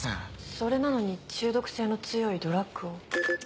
それなのに中毒性の強いドラッグを？